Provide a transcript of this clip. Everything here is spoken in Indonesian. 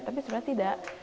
tapi sebenarnya tidak